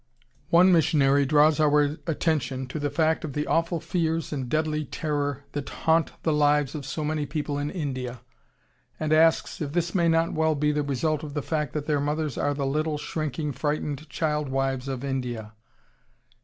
One missionary draws our attention to the fact of the awful fears and deadly terror that haunt the lives of so many people in India, and asks if this may not well be the result of the fact that their mothers are the little, shrinking, frightened child wives of India.